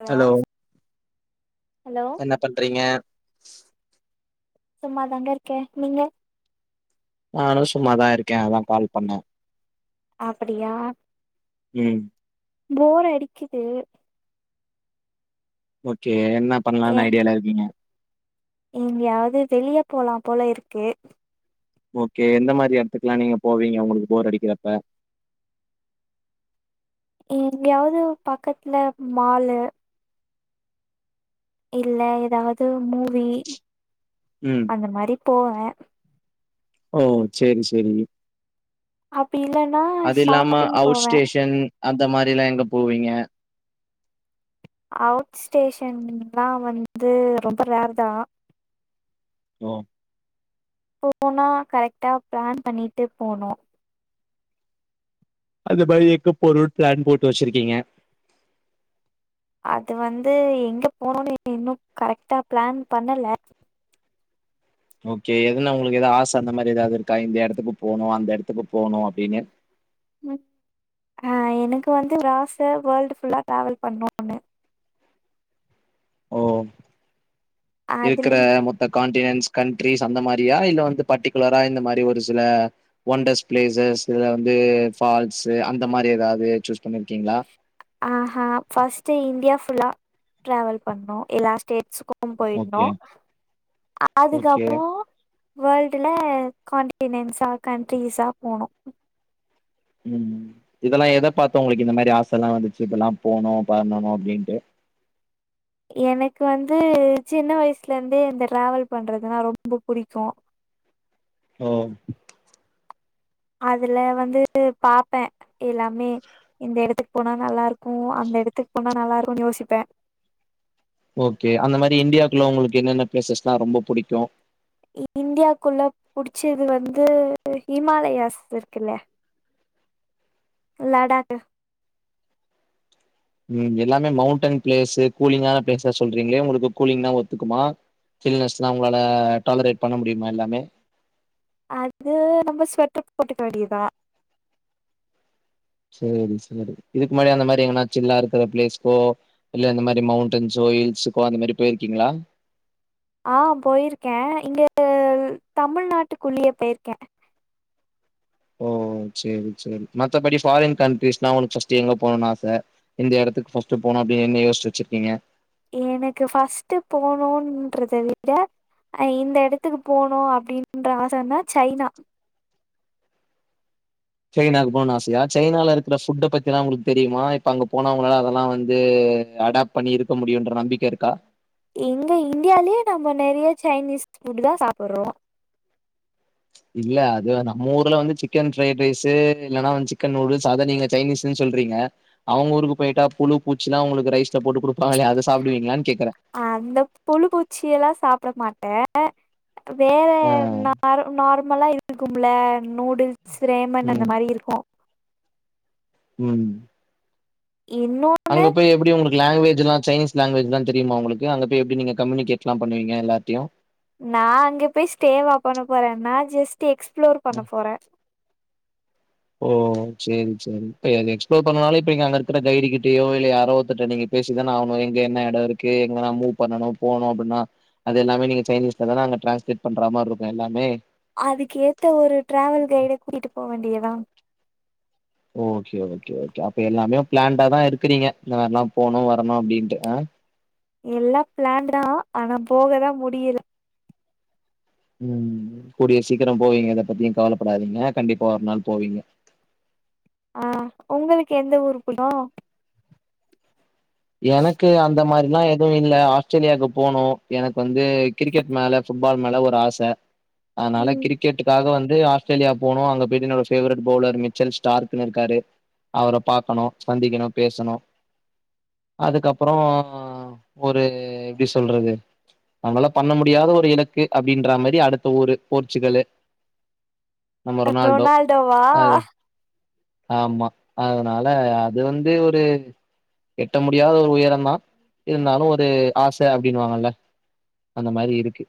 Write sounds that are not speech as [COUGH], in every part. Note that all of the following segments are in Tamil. ஹலோ ஹலோ என்ன பண்றீங்க? [INAUDIBLE] சும்மாதாங்க இருக்கே நீங்க நானு சும்மாதா இருக்கே அதா கால் பண்ணே அப்படியா ம் போர் அடிக்கிது ஓகே என் னா ஏ பண்லான் ஐடியால இருக்கீங்க எங்கயாவது வெளிய போலாம் போல இருக்கு ஓகே எந்த மாதிரி இடத்துக்கு எல்லாம் நீங்க போவீங்க உங்களுக்கு போர் அடிக்கிறப்ப எங்கயாவது பக்கத்துல மாலு இல்ல ஏதாவது மூவி ம் அந்த மாதிரி போவேன் ஓ சரி சரிக அப்படி இல்ன்னா ஷாப்பிங் அவுட் போவேன் ஸ்டேஷன் அந்த மாதிரிலாம் எங்க போவீங்க அவுட் ஸ்டேஷன்ல்லாம் வந்து ரொம்ப ரேர் தான் ம் [UNINTELLIGIBLE] போனா கரெக்டா பிளான் பண்ணிட்டு போனும் அது மாதிரி எக்கு பொரு பிளான் போட்டு வச்சிருக்கீங்க அது வந்து எங்க போனும்னு இன்னும் கரெக்ட்டா பிளான் பண்ணல ஓகே எதுன்னா உங்களுக்கு ஏதாவ ஆசை அந்த மாதிரி ஏதாவது இருக்கா இந்த இடத்துக்கு போகணும் அந்த இடத்துக்கு போகணும் அப்படின்னு ஆஹ் எனக்கு வந்து ஒரு ஆசை வேல்டு் புல்லா டிராவல் பண்ணோன்னு ஓ இருக்கற அதில் மொத்த கா கந்தரீஸ் இல்லபர்டிகுலர இந்த மாதிரி ஒரு சில ஒண்டர்ஸ் பிளேஸ் அந்த மாதிரி பால்ஸ் ஆஹ்ஹ பஸ்ட் இந்தியா புல்லா டிராவல் பண்ணோம் எல்லா ஸ்டேட்ஸ்க்கும் ஓகே போயிருந்தோம் ஓகே அதுக்கப்புறம் வேர்ல்டுல காான்டினன்ஸா கண்ட்ரிஸா போகனும் உம் இதெல்லாம் எதை பார்த்து உங்களுக்கு இந்த மாதிரி ஆசை எல்லாம் வந்துச்சு இப்படில்லாம் போகணும் பண்ணணும் அப்படின்ட்டு எனக்கு வந்து சின்ன வயசுல இருந்தே இந்த டிராவல் பண்றதுனா ரொம்ப புடிக்கும் ஓ அதுல வந்து பாப்பேன் எல்லாமே இந்த இடத்துக்கு போனா நல்லா இருக்கும் அந்த இடத்துக்கு போனா நல்லா இருக்கும்னு யோசிப்பேன் ஓகே அந்த மாதிரி இந்தியாக்குள்ள உங்களுக்கு என்னென்ன பிளேசஸ்னா ரொம்ப பிடிக்கும் இந்தியாக்குள்ள புடிச்சது வந்து ஹிமாலயாஸ் இருக்குல்ல லடாக் உம் எல்லாமே மௌண்டன் பிளேஸ் கூலிங்கான பிளேஸ் சொல்றீங்களே உங்களுக்கு கூலிங் தா ஒத்துக்குமா சில்ஸ்ல்லாம் உங்களால டாலரேட் பண்ண முடியமா எல்லாமே அது நம்ம ஸ்வெட்டர் போட்டுக்க வேண்டியதுதான் சரி சரி இதுக்கு முன்னாடி அந்த மாதிரி எங்கனாச்சில்ல்லா இருக்கிற பிளேஸ்க்கோ இல்ல இந்தந்த மாதிரி மௌண்டன்ஸோ ஹில்ஸு்கோ அந்த மாதிரி போயிருக்கீங்களா ஆஹ் போயிருக்கேன் இங்க தமிழ்நாட்டுக்குள்ளியே போயிருக்கேன் ஓ சரி சரி மத்தபடி ஃபாரின் கண்டட்ரிஸ்னா உனக்கு ஃபர்ஸ்ட் எங்க போகணும்ன்னனு ஆசை இந்த இடத்துக்கு பர்ஸ்ட் போனும் அப்படின்னு என்ன யோசிட்டு வச்சிருக்கீங்க எனக்கு ஃபஸ்ட் போனும்ன்றத விட அஹ் இந்த இடத்துக்கு போனும் அப்படின்ற ஆசைன்னா சைனா சைனாக்கு போகணு ஆசையா சைனால இருக்கிற ஃபுட்டை பத்தி எல்லாம் உங்களுக்கு தெரியுமா இப்ப அங்க போனவங்களால அதெல்லாம் வந்து அடாப்ட் பண்ணி இருக்க முடியும்ன்ற நம்பிக்கை இருக்கா எங்க இந்தியாலயே நம்ம நிறைய சைனீஸ் புஃபுட் தான் சாப்பிடுறோம் இல்ல அது நம்ம ஊர்ல வந்து சிக்கன் ஃரைட் ரைஸ் இல்லைனா வந்து சிக்கன் நூடுல்ஸ் அத நீங்க சைனீஸ்ன்னு சொல்றீங்க அவங்க ஊருக்கு போயிட்டா புழு பூச்சி எல்லாம் உங்களுக்கு ரைஸ்ல போட்டு கொடு அந்த புழு பூச்சிய எல்லாம் சாப்பிட மாட்டேன் ஆ [UNINTELLIGIBLE] வேற ஆ ந நார் [UNINTELLIGIBLE] மல்லாம் இருக்கும்ல நூடுல்ஸ் ஸ்ரேமன் அந்த ம் மாதிரி இருக்கும் உம் அங்க இன்னொன்னு போய் எப்படி உங்களுக்கு லாங்குவேஜ் எதுவும் சைனீஸ் லாங்வேஜ் தான் தெரியுமா உங்களுக்கு அங்க போய் எப்படி நீங்க கம்யூனிகேட்ல்லாம் பண்ணுவீங்க எல்லாத்தையும் நான் அங்க போய் ஸ்டே வா பண்ண போறேன் நான் ஜஸ்ட் எக்ஸ்பிளோர் பண்ண போறேன் ஓ செரி செரி் அது எக்ஸ்ப்ளோர் பண்ணனாலும் இப்ப நீங்க அங்க இருக்கிற கைடு கிட்டயோ இல்லை யாரோ ஒருத்தர் கிட்ட நீங்க பேசிதானே ஆகணும் எங்க என்ன இடம் இருக்கு எங்கனா மூவ் பண்ணனும் போணும் அப்படின்னா அது எல்லாமே நீங்க சைனீஸ்லதானே அங்க ட்ரான்ஸ்லேட் பண்ற மாதிரி இருக்கும் எல்லாமே அதுக்கு ஏத்த ஒரு டிராவல் கைடு கிட்ட போக வேண்டிய தா ஆ ஓகே ஓகே ஓகே அப்ப எல்லாமே பிளான்லதான் இருக்கறீங்க இந்த மாரி எல்லாம் போனும் வரணும் அப்படின்னுட்டுஹ எல்லா பிளான் தான் ஆனா போகதான் முடியல உம் கூடிய சீக்கிரம் போவீங்க எத பத்தியும் கவலைப்படாதீங்க கண்டிப்பா ஒரு நாள் போவீங்க ஆஹ் உங்களுக்கு எந்த ஊரு புடிக்கும் எனக்கு அந்த மாதிரிலாம் எதுவும் இல்ல ஆஸ்திரேலியாவுக்கு போனும் எனக்கு வந்து கிரிக்கெட் மேல ஃபுட்பால் மேல ஒரு ஆசை அதனால ம் கிரிக்கெட்டுக்காக வந்து ஆஸ்திரேலியா போகனும் அங்க போயிட்டு என்னோட பேவரட் பௌலர் மிச்சல் ஸ்டார்னு இருக்காரு அவரை பாார்கக்கணும் சந்திக்கணும் பேசணும் அதுக்கப்புறம் ஒரு எப்படி சொல்றது நம்மளால பண்ண முடியாத ஒரு இலக்கு அப்படின்ற மாதிரி அடுத்த ஊரு போர்ச்சுகல்லு ரொனால்டோவா ஆமா அதனால அது வந்து ஒரு எட்ட முடியாத ஒரு உயரம்தான் இருந்தாலும் ஒரு ஆசை அப்படின்னுவாங்கல்ல அந்த மாதிரி இருக்கு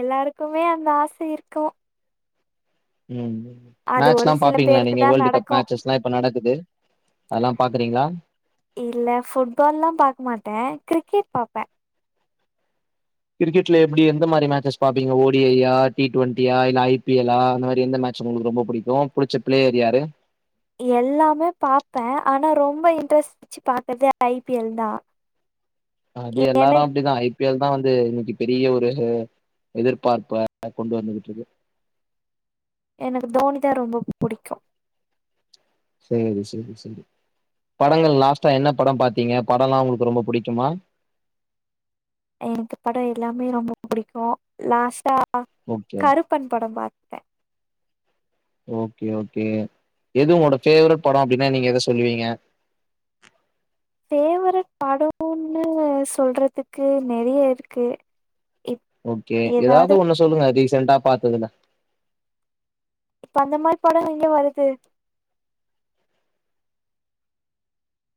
எல்லாருக்குமே அந்த ஆசை இருக்கும் உம் அது ஒரு சில பேருக்கு தான் நடக்கும் மேட்சஸ்லா இப்ப நடக்குது அதெல்லா பாக்குறீங்களா இல்ல புட்பால்லாம் பாக்க மாட்டேன் கிரிக்கெட் பாப்பேன் கிரிக்கெட்ல எப்படி எந்த மாதிரி மேட்சஸ் பாப்பீங்க ஓடிஐயா டி டுவெண்ட்டியா இல்ல ஐபிஎல்லா அந்த மாதிரி எந்த மேட்ச உங்களுக்கு ரொம்ப பிடிக்கும் புடிச்ச ப்ளேயர் யாரு எல்லாமே பாப்பேன் ஆனா ரொம்ப இன்ட்ரெஸ்ட பாக்குறதே ஐபிஎல் தான் அது எல்லாரும் அப்படிதான் ஐ ஐ பி எல் தான் வந்து இன்னைக்கு பெரிய ஒரு எதிர்பார்ப்ப கொண்டு வந்துகிட்டு இருக்கு எனக்கு தோனிதா ரொம்ப புடிக்கும் செரி செரி செரி படங்கள் லாஸ்ட்டா என்ன படம் பார்த்தீங்க படம்ல்லாம் உங்களுக்கு ரொம்ப புடிக்குமா எனக்கு படம் எல்லாமே ரொம்ப பிடிக்கும் லாஸ்டா ஓகே கருப்பன் படம் பாத்தேன் ஓகே ஓகே எது உங்களோட பேவரட் படம் அப்படின்னா நீங்க எதை சொல்லுவீங்க பேவரட் படம்னு சொல்றதுக்கு நெறைய இருக்கு இப் ஓகே ஏதாவது ஒண்ணு சொல்லுங்க அட்லீஸ்ட் ரிசென்ட்அ பாத்ததுல இப்ப அந்த மாதிரி படம் எங்க வருது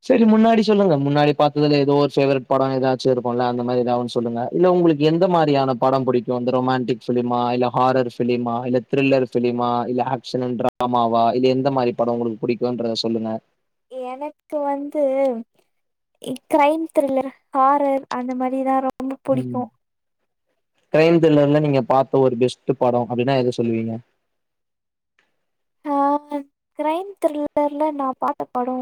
செரி முன்னாடி சொல்லுங்க முன்னாடி பார்த்ததுல ஏதோ ஒரு ஃபேவரட் படம் ஏதாச்சும் இருக்கும் அந்த மாதிரி ஏதாவன்னு சொல்லுங்க இல்ல உங்களுக்கு எந்த மாதிரியான படம் பிடிக்கும் அ ரொமண்டிக் பிலிமா இல்ல ஹாரர் பிலிமா இல்ல த்ரில்லர் பிலிமா இல்ல ஆக்ஷன் அண்ட் டிராமாவா இல்ல எந்த மாதிரி படம் உங்களுக்கு பிடிக்கும்ன்றதை சொல்லுங்க எனக்கு வந்து கிரைம் த்ரில்லர் ஹாரர் அந்த மாதிரிதான் ம் கிரைம் த்ரில்லர்ல நீங்க பாத்த ஒரு பெஸ்ட் படோ அப்டின்னா எத சொல்லுவீங்க? ஆ கிரைம் த்ரில்லர்ல நா பாத்த பாடோ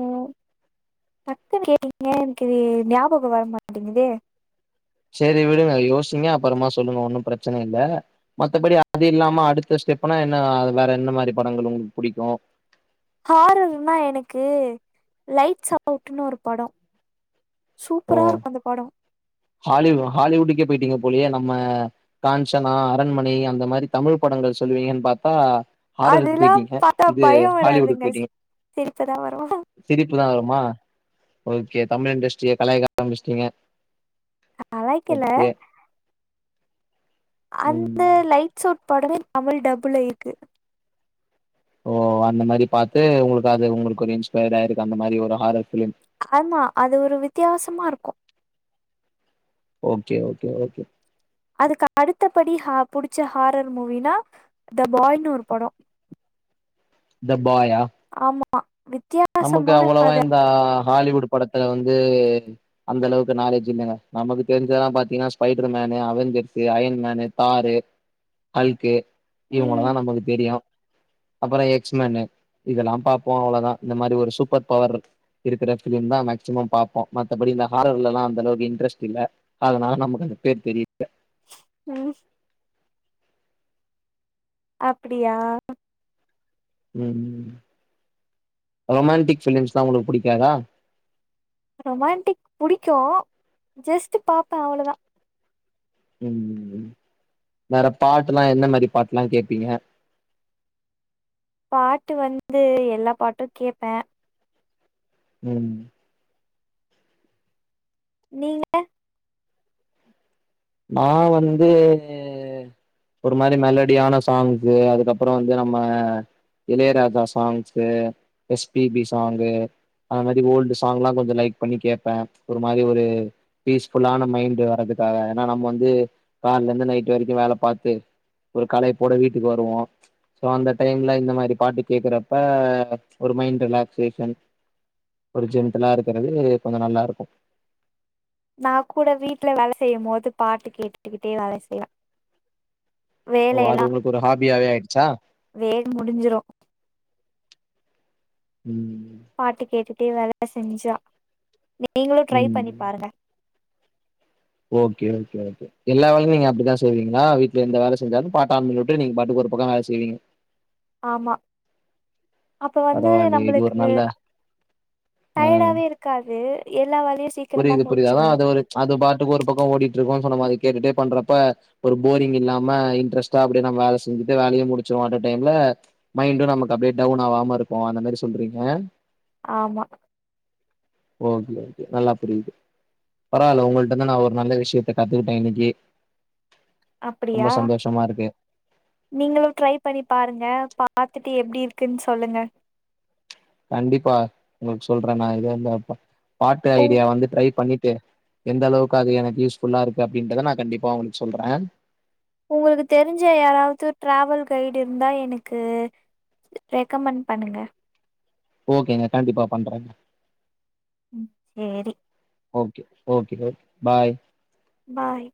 டக்குன்னு கேட்டீங்க எனக்கு ஞாபகோ வர மாட்டீங்குதே சரி விடுங்க யோசிங்க அப்பறமா சொல்லுங்க ஒன்னு பிரச்சன இல்ல. மத்தபடி அது இல்லாம அடுத்த ஸ்டெப்னா என்ன அது வேற என்ன மாரி படங்கள் உங்களுக்கு புடிக்கு ஹாரர்னா எனக்கு லைட்ஸ் அவுட்ன்னு ஒரு படோ சூப்பரா இருக்கு அந்த படோ ஹாலிவ் ஹாலிவுட்டுக்கே போயிட்டீங்க போலயே நம்ம காஞ்சனா அரண்மனை அந்த மாரி தமிழ் படங்கள் சொல்லுவீங்கன்னு பாத்தா ஹாரருக்கு அதுல்லா போயிட்டீங்க பாத்தா இது பயோ ஹாலிவுட்டுக்கு வராதுங்க ஸ் போயிட்டீங்க சிரிப்புதா வரு சிரிப்பு தா வருமா ஓகே தமிழ் இண்டஸ்ட்ரிய கலாய்க்க ஆரம்பிச்சிட்டீங்க கலாய்க்கில ஓகே அந்த ம் லைட்ஸ் அவுட் படமே தமிழ் டப்ல இருக்கு ஓ அந்த மாரி பாத்து உங்களுக்கு அது உங்களுக்கு ஒரு இன்ஸ்பயர் ஆயிருக்கு அந்த மாரி ஒரு ஹாரர் ஃபிலிம் ஆமா அது ஒரு வித்தியாசமா இருக்கு ஓகே ஓகே ஓகே அதுக்கு அடுத்தபடி ஹா புடிச்ச ஹாரர் மூவினா த பாய்னு ஒரு படோ த பாயா வித் நமக்கு அவ்வளவா இந்த ஹாலிவுட் படத்துல வந்து அந்த அளவுக்கு நாலேஜ் இல்லைங்க நமக்கு தெரிஞ்சதல்லா பாத்தீங்கன்னா Spider Man Avengers Iron Man Thor Hulk ம் இவங்களதா நமக்கு தெரியு அப்புற எக்ஸ் மேனு இதெல்லா பாப்போ அவ்ளதா இந்த மாரி ஒரு சூப்பர் பவரு இருக்குற ஃபிலிம்தா மேக்சிமம் பாப்போ மத்தபடி இந்த ஹாரர்லல்லா அந்த அளவுக்கு இன்ட்ரெஸ்ட் இல்ல அதனால நமக்கு அந்த பேர் தெரியல ம் அப்டியா ம் ரொமான்டிக் ஃபிலிம்ஸ்லா உங்களுக்கு புடிக்காதா? ரொமான்டிக் புடிக்கு ஜஸ்ட் பாப்பே அவ்ளவுதா ம் ம் வேற பாட்டுல்லா என்ன மாரி பாட்டுல்லா கேப்பீங்க? பாட்டு வந்து எல்லா பாட்டு கேப்பே ம் நீங்க? நா வந்து ஒரு மாரி மெலடியான சாங்கு அதுக்கப்புறோ வந்து நம்ம Ilaiyaraaja songs S P B song அது மாரி ஒல்டு சாங்லா கொஞ்ச லைக் பண்ணி கேப்பே ஒரு மாரி ஒரு பீஸ்ஃபுல்லான மைண்ட் வர்றதுக்காக ஏன்னா நம்ம வந்து கால்ல இருந்து நைட் வரைக்கு வேல பாத் து ஒரு களைப்போட வீட்டுக்கு வருவோ சோ அந்த டைம்ல இந்த மாரி பாட்டு கேக்குறப்ப ஒரு மைண்ட் ரிலாக்சேஷன் ஒரு ஜென்டிலா இருக்கிறது கொஞ்ச நல்லா இருக்கு நா கூட வீட்ல வேல செய்யும் போது பாட்டு கேட்டுக்கிட்டே வேல செய்வே ஓ அது வேலையெல்லா உங்களுக்கு ஒரு ஹாபியாவே ஆயிடுச்சா? வேல முடிஞ்சிரு. ம் பாட்டு கேட்டு டு‌ வேல செஞ்சொ நீங்களு ட்ரை பண்ணி ம் பாருங்க ஓகே ஓகே ஓகே எல்லா வேலையு ‌நீங்க அப்டிதா செய்வீங்ளா வீட்ல எந்த வேல செஞ்சாலு பாட்ட ஆன் பண்ணி உட்டு நீங்க பாட்டுக்கு ஒரு பக்கொ வேல செய்வீங்க ஆமா அப்ப வந்து பரவாயில்லயே இது ஒரு நம்பளுக்கு நல்ல டயர்டாவே இருக்காது எல்லா வால புரியிது புரியிது அதா அது ஒரு அது பாட்டுக்கு ஒரு பக்கொ ஓடிட்ருக்கு இப்ப நம்ம அத கேட்டுட்டே பண்றப்ப ஒரு போரிங் இல்லாம இன்ட்ரெஸ்டா அப்டியே நம்ம வேல செஞ்சுட்டு வேலயு முடுச்சிருவொ அட்ட டைம்ல மைண்டு நமக்கு அப்டியே டவுன் ஆவாம இருக்கு அந்த மாரி சொல்றீங்க ஆமா ஓகே ஓகே நல்லா புரியிது பரவால்ல ஒங்கள்ட்டந்து நா ஒரு நல்ல விஷயத்த கத்துக்கிட்டே இன்னக்கி அப்பிடியா நீங்களு ட்ரை பண்ணி பாருங்க பாத்துட்டு எப்டி இருக்குன் சொல்லுங்க கண்டிப்பா உங்களுக்கு சொல்றே நா இத இந்தப்ப பாட்டு உங் ஐடியா வந்து ட்ரை பண்ணி ட்டு எந்த அளவுக்கு அது எனக்கு யூஸ்ஃபுல்லா இருக்கு அப்டின்றத நா கண்டிப்பா உங்களுக்கு சொல்றே உங்களுக்கு தெருஞ்ச யாராவது டிராவல் கைடு இருந்தா எனக்கு ரெக்கமெண்ட் பண்ணுங்க ஓகேங்க கண்டிப்பா பண்றேங்க ம் சேரி ஓகே ஓகே ஓகே பாய் பாய்